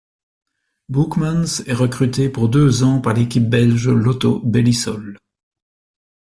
Boeckmans est recruté pour deux ans par l'équipe belge Lotto-Belisol.